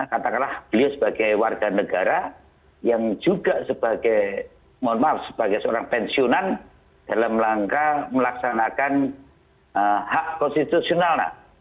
katakanlah beliau sebagai warga negara yang juga sebagai mohon maaf sebagai seorang pensiunan dalam langkah melaksanakan hak konstitusional